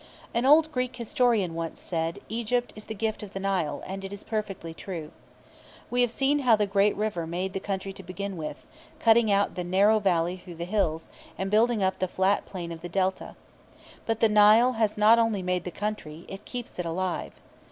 An old Greek historian once said, "Egypt is the gift of the Nile," and it is perfectly true. We have seen how the great river made the country to begin with, cutting out the narrow valley through the hills, and building up the flat plain of the Delta. But the Nile has not only made the country; it keeps it alive.